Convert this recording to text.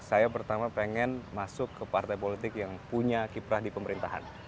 saya pertama pengen masuk ke partai politik yang punya kiprah di pemerintahan